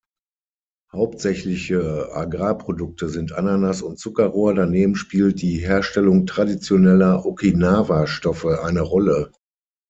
Hauptsächliche Agrarprodukte sind Ananas und Zuckerrohr, daneben spielt die Herstellung traditioneller Okinawa-Stoffe eine Rolle.